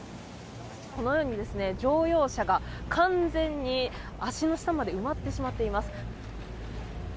このように乗用車が完全に足の下まで埋まってしまっています。